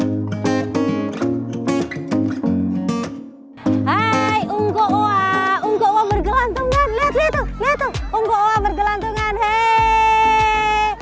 hai hai unggu wa unggu wa bergelantungan lihat lihat itu untuk bergelantungan hei